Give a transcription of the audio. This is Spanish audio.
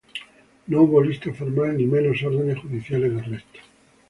No hubo lista formal ni menos órdenes judiciales de arresto.